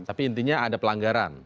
tapi intinya ada pelanggaran